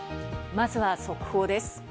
まずは速報です。